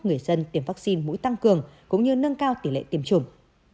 người dân tiêm vaccine mũi tăng cường cũng như nâng cao tỷ lệ tiêm chủng